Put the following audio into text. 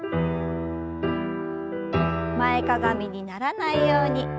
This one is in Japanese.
前かがみにならないように気を付けて。